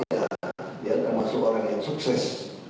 ya teman teman ya termasuk orang yang sukses